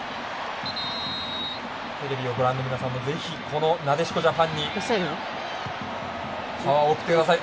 テレビをご覧の皆さんもぜひ、なでしこジャパンにパワーを送ってください。